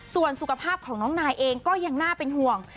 ส่วนสุขภาพของน้องนายเองก็ยังน่าเป็นห่วง